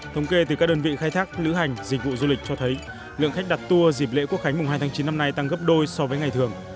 thống kê từ các đơn vị khai thác lữ hành dịch vụ du lịch cho thấy lượng khách đặt tour dịp lễ quốc khánh mùng hai tháng chín năm nay tăng gấp đôi so với ngày thường